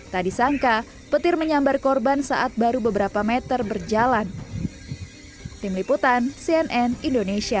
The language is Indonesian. tak disangka petir menyambar korban saat baru beberapa meter berjalan tim liputan cnn indonesia